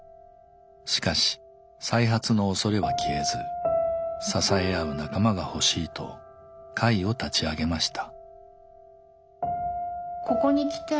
しかし再発のおそれは消えず支え合う仲間が欲しいと会を立ち上げました。